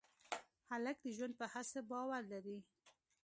هلک د ژوند په هڅه باور لري.